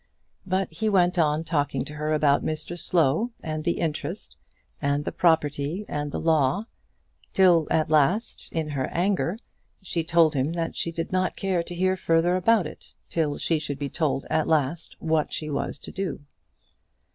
But he went on talking to her about Mr Slow, and the interest, and the property, and the law, till, at last, in her anger, she told him that she did not care to hear further about it, till she should be told at last what she was to do.